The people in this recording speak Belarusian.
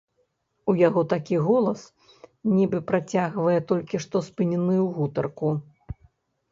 У яго такі голас, нібы працягвае толькі што спыненую гутарку.